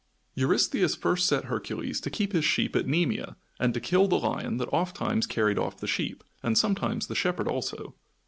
Eurystheus first set Hercules to keep his sheep at Nemea and to kill the lion that ofttimes carried off the sheep, and sometimes the shepherd also.